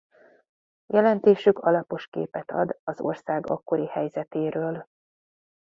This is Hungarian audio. Jelentésük alapos képet ad az ország akkori helyzetéről.